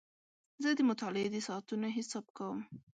زه د مطالعې د ساعتونو حساب کوم.